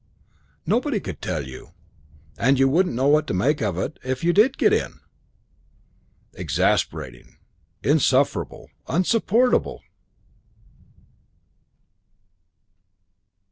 Nobody could tell you. And you wouldn't know what to make of it if you did get in." Exasperating. Insufferable. Insupportable!